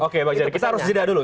oke pak jokowi kita harus zida dulu